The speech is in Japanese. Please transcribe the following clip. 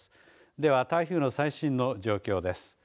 では、台風の最新の状況です。